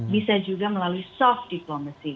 bisa juga melalui soft diplomacy